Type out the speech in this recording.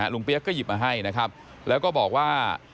ลุงเปี๊ยกก็หยิบมาให้แล้วก็บอกว่า